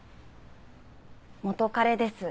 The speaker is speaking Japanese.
元カレです。